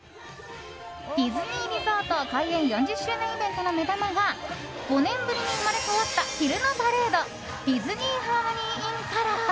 ディズニーリゾート開園４０周年イベントの目玉が５年ぶりに生まれ変わった昼のパレードディズニー・ハーモニー・イン・カラー。